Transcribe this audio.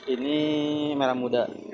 ini merah muda